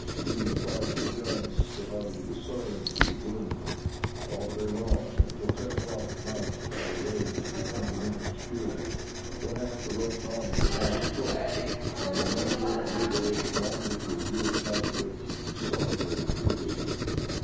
Even the flash of the guns could hardly be discerned through the gloom. All the day long, and until ten o'clock at night, the battle raged with undiminished fury. One half of the Russian army was now destroyed, and the remainder, unable longer to endure the conflict, sullenly retreated.